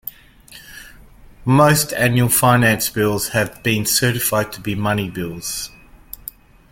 Most annual Finance Bills have not been certified to be Money Bills.